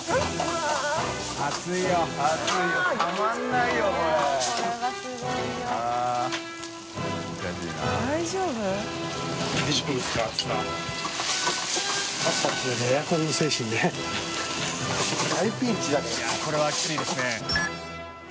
いやこれはきついですね。